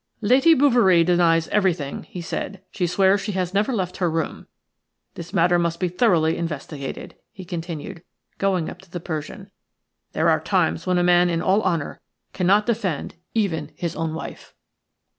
"Lady Bouverie denies everything," he said. "She swears she has never left her room. This matter must be thoroughly investigated," he continued, going up to the Persian. "There are times when a man in all honour cannot defend even his own wife."